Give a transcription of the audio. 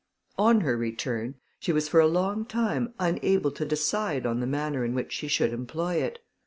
On her return, she was for a long time unable to decide on the manner in which she should employ it.